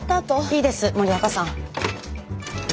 いいです森若さん。